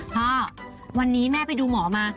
พ่อวันนี้แม่ไปดูหมอมา